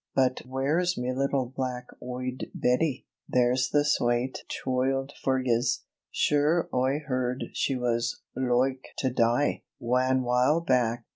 But where's me little black oiyed Bettie there's the swate choild for yez? Sure Oi heard she was loike to die, wan while back.